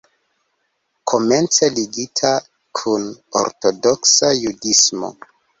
Komence ligita kun Ortodoksa Judismo.